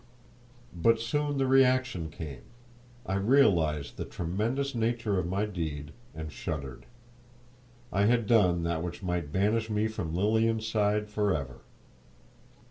But soon the reaction came; I realised the tremendous nature of my deed, and shuddered. I had done that which might banish me from Lilian's side for ever!